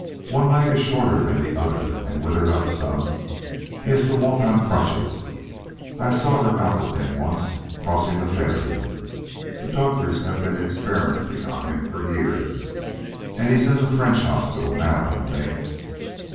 One leg is shorter than the other and withered up some. He has to walk on crutches. I saw her out with him once crossing the ferry. The doctors have been experimenting on him for years, and he's in the French Hospital now, I think."